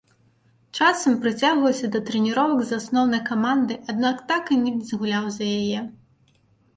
Часам прыцягваўся да трэніровак з асноўнай камандай, аднак так і не згуляў за яе.